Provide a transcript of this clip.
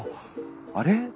あれ？